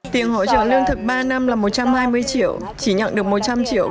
tiền hỗ trợ lương thực ba năm là một trăm hai mươi triệu chỉ nhận được một trăm linh triệu